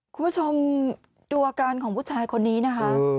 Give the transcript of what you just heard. คุณผู้ชมดูอาการของผู้ชายคนนี้นะคะ